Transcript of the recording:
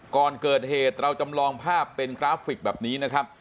ก่อนเกิดเหตุเราจำลองภาพเป็นกราฟิกแบบนี้นะครับ